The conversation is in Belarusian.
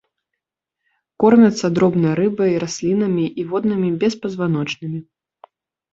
Кормяцца дробнай рыбай, раслінамі і воднымі беспазваночнымі.